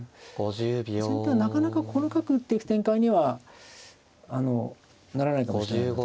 先手はなかなかこの角打っていく展開にはならないかもしれないので。